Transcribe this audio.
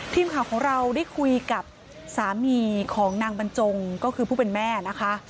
ทีมข่าวของเราได้คุยกับสามีของนางบรรจงก็คือผู้เป็นแม่นะคะ